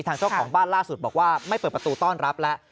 เจ้าของบ้านล่าสุดบอกว่าไม่เปิดประตูต้อนรับแล้ว